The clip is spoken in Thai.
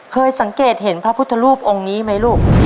เคยสังเกตเห็นพระพุทธรูปองค์นี้ไหมลูก